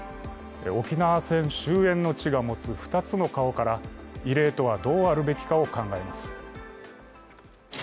沖縄戦終えんの地が持つ２つの顔から慰霊とはどうあるべきかを考えます。